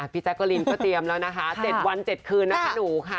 พี่จักริ้นก็เตรียมเนาะ๗วัน๗คืนน่ะคะหนู